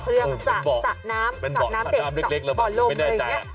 เขาเรียกว่าสะสะน้ำสะน้ำเด็กสะบ่อโลมเลยอย่างนี้